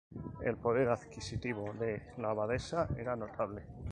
El poder adquisitivo de la abadesa era notable.